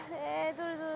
どれどれ。